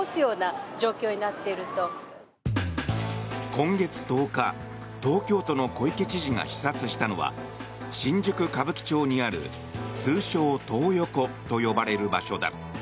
今月１０日東京都の小池知事が視察したのは新宿・歌舞伎町にある通称・トー横と呼ばれる場所だ。